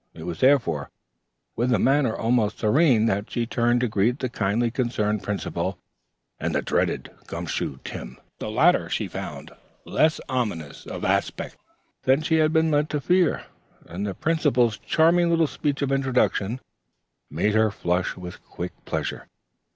It was, therefore, with a manner almost serene that she turned to greet the kindly concerned Principal and the dreaded "Gum Shoe Tim." The latter she found less ominous of aspect than she had been led to fear, and the Principal's charming little speech of introduction made her flush with quick pleasure.